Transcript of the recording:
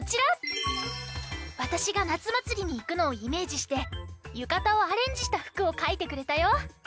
わたしがなつまつりにいくのをイメージしてゆかたをアレンジしたふくをかいてくれたよ。